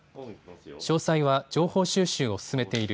詳細は情報収集を進めている。